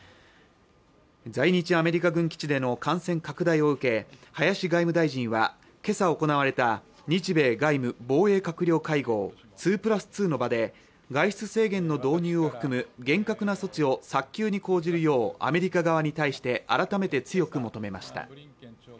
在日アメリカ軍基地での感染拡大を受け林外務大臣は今朝行われた日米外務防衛閣僚会合２＋２の場で外出制限の導入を含む厳格な措置を早急に講じるようアメリカ側に対して改めて強く求めました